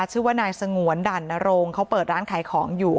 ชื่อว่านายสงวนด่านนโรงเขาเปิดร้านขายของอยู่